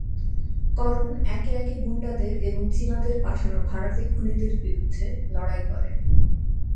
করণ একে একে গুন্ডাদের এবং চীনাদের পাঠানো ভাড়াটে খুনিদের বিরুদ্ধে লড়াই করে।